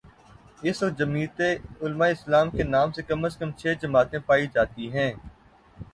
اس وقت جمعیت علمائے اسلام کے نام سے کم از کم چھ جماعتیں پائی جا تی ہیں۔